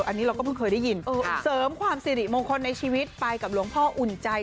อันนี้เราก็เพิ่งเคยได้ยินเสริมความสิริมงคลในชีวิตไปกับหลวงพ่ออุ่นใจ